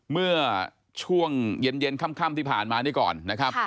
เมื่อช่วงเย็นค่ำที่ผ่านมานี่ก่อนนะครับ